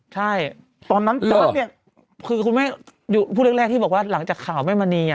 ใช่ตอนนั้นจ๊ะเนี้ยคือคุณแม่อยู่พูดแรกแรกที่บอกว่าหลังจากข่าวแม่มณีอ่ะ